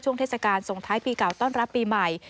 เทศกาลส่งท้ายปีเก่าต้อนรับปีใหม่